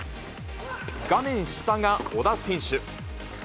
画面下が小田選手。